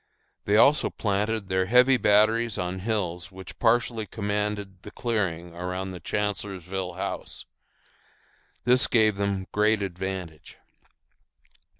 They also planted their heavy batteries on hills which partially commanded the clearing around the Chancellorsville House. This gave them great advantage.